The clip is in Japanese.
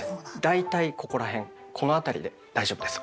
だいたいここら辺この辺りで大丈夫です。